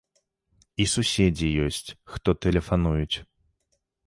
І суседзі ёсць, хто тэлефануюць.